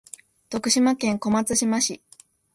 徳島県小松島市